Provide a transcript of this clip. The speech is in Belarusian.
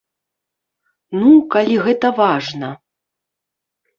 Ну, калі гэта важна.